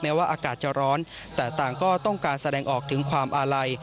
ว่าอากาศจะร้อนแต่ต่างก็ต้องการแสดงออกถึงความอาลัย